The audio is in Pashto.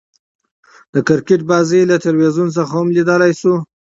د کرکټ بازۍ له تلویزیون څخه هم ليدلاى سو.